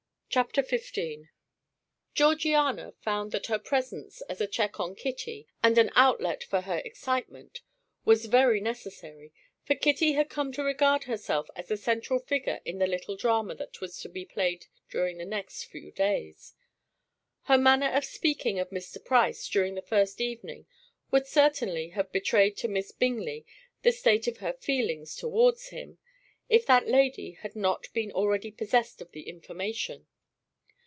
Chapter XV Georgiana found that her presence as a check on Kitty, and an outlet for her excitement, was very necessary, for Kitty had come to regard herself as the central figure in the little drama that was to be played during the next few days. Her manner of speaking of Mr. Price during the first evening would certainly have betrayed to Miss Bingley the state of her feelings towards him, if that lady had not been already possessed of the information.